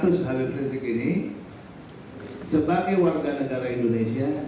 terus habib rizik ini sebagai warga negara indonesia